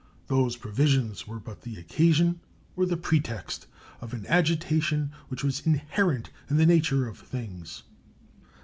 Those provisions were but the occasion, or the pretext, of an agitation which was inherent in the nature of things.